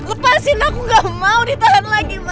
lepasin aku aku gak mau ditahan lagi ma